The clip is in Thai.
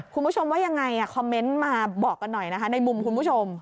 คุณผู้ชมว่ายังไงคอมเมนต์มาบอกกันหน่อยนะคะในมุมคุณผู้ชม